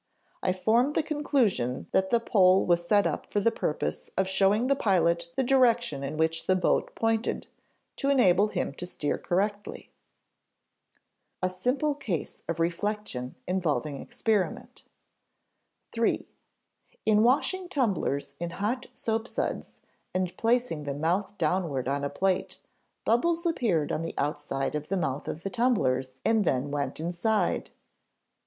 I formed the conclusion that the pole was set up for the purpose of showing the pilot the direction in which the boat pointed, to enable him to steer correctly." [Sidenote: A simple case of reflection involving experiment] 3. "In washing tumblers in hot soapsuds and placing them mouth downward on a plate, bubbles appeared on the outside of the mouth of the tumblers and then went inside.